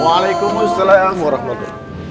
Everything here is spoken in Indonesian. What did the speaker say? waalaikumussalam warahmatullahi wabarakatuh